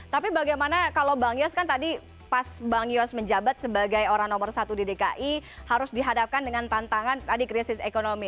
tapi bagaimana kalau bang yos kan tadi pas bang yos menjabat sebagai orang nomor satu di dki harus dihadapkan dengan tantangan tadi krisis ekonomi